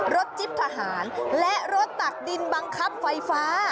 จิ๊บทหารและรถตักดินบังคับไฟฟ้า